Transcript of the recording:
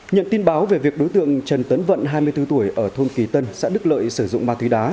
nhận tin báo về việc đối tượng trần tấn vận hai mươi bốn tuổi ở thôn kỳ tân xã đức lợi sử dụng ma túy đá